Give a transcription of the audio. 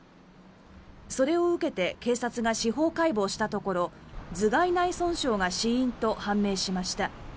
それを受けて警察が司法解剖したところ頭がい内損傷が死因と判明しました。